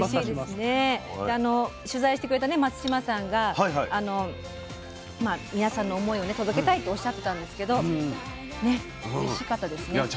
で取材してくれた松嶋さんが皆さんの思いを届けたいとおっしゃってたんですけどおいしかったですね。